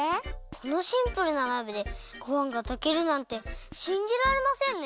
このシンプルな鍋でごはんがたけるなんてしんじられませんね！